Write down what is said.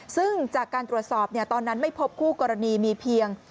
ซึ่งจากการตรวจสอบตอนนั้นไม่พบคู่กรณีมีเพียง